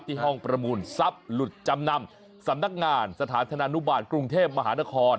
ที่ห้องประมูลทรัพย์หลุดจำนำสำนักงานสถานธนานุบาลกรุงเทพมหานคร